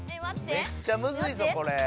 めっちゃむずいぞこれ。